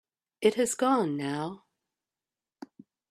It has gone now.